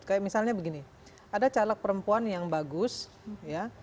kayak misalnya begini ada caleg perempuan yang bagus ya